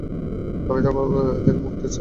আমি তার প্রভাব থেকে মুক্ত হতে চাচ্ছি।